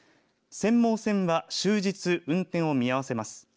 釧網線は終日運転を見合わせます。